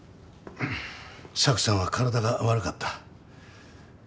サクさんは体が悪かった。